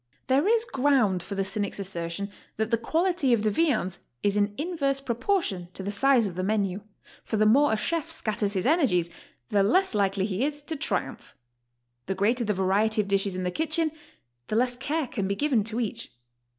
There is ground for the cynic's assertion that the quality of the viands is in in verse proportion to the size of the menu, for the more a chef scatters his energies, the less likely he is to triumph; the greater the variety of dishes in the kitchen, the less care can be given to each.